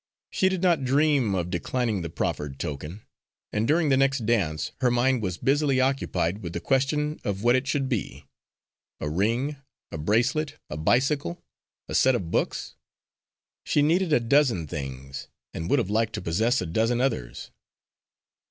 She did not dream of declining the proffered token, and during the next dance her mind was busily occupied with the question of what it should be a ring, a bracelet, a bicycle, a set of books? She needed a dozen things, and would have liked to possess a dozen others.